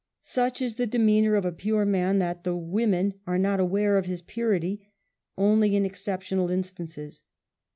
Such is the demeanor of a pure man that the women are not aware of his purity, only in exceptional instances.